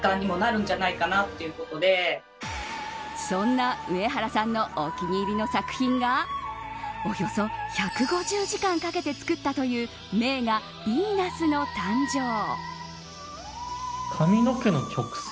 そんな上原さんのお気に入りの作品がおよそ１５０時間かけて作ったという名画、ビーナスの誕生。